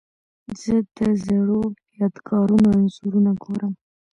زه د زړو یادګارونو انځورونه ګورم.